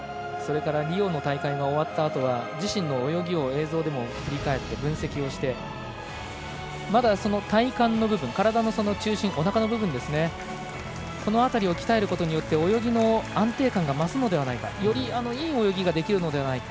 それからリオの大会が終わったあとは自身の泳ぎを映像で振り返って分析をして、体幹の部分体の中心おなかの部分鍛えることによって泳ぎの安定感が増すのではないかよりいい泳ぎができるのではないか。